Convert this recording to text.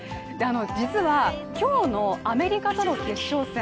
実は今日のアメリカとの決勝戦